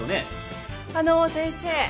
あの先生